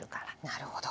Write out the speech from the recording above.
なるほど。